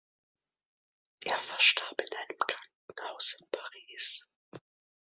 Er verstarb in einem Krankenhaus in Paris.